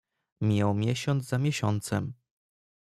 "Mijał miesiąc za miesiącem."